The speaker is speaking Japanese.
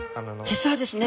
実はですね